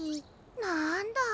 なんだ。